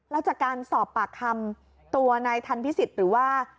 แล้วจากการสอบปากคำตัวนายทันพิสิทธิ์หรือว่า